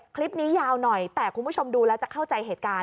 คลิปนี้ยาวหน่อยแต่คุณผู้ชมดูแล้วจะเข้าใจเหตุการณ์